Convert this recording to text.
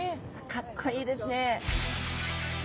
かっこいいですね。